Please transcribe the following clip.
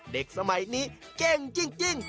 เด็กสมัยนี้เก่งจริง